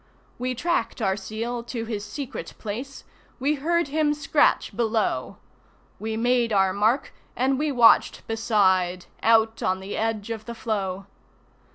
We tracked our seal to his secret place, We heard him scratch below, We made our mark, and we watched beside, Out on the edge of the floe.